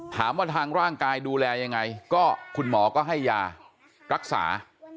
ถามว่าทางร่างกายดูแลยังไงก็คุณหมอก็ให้ยารักษา